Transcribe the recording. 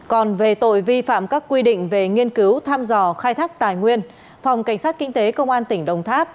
còn về tội vi phạm các quy định về nghiên cứu thăm dò khai thác tài nguyên phòng cảnh sát kinh tế công an tỉnh đồng tháp